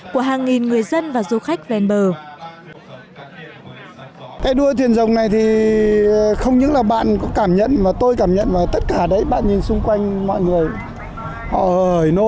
của hàng nghìn người dân và du khách ven bờ